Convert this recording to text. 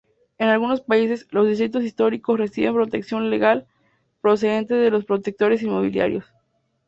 En algunos países, los distritos históricos reciben protección legal procedente de los promotores inmobiliarios.